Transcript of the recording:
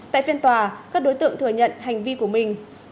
tại phiên tòa các đối tượng thừa nhận hành vi của mình